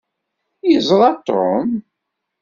Yeẓṛa Tom?